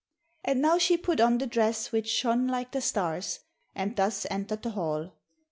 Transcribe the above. And now she put on the dress which shone like the stars, and thus entered the hall.